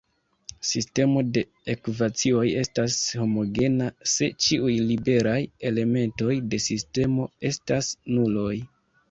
Sistemo de ekvacioj estas homogena se ĉiuj liberaj elementoj de sistemo estas nuloj.